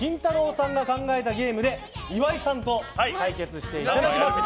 さんが考えたゲームで岩井さんと対決していただきます。